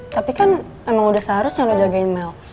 tapi kan emang udah seharusnya lo jagain mel